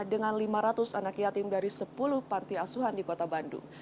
dengan lima ratus anak yatim dari sepuluh panti asuhan di kota bandung